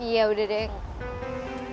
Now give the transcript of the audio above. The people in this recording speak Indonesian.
ya udah deh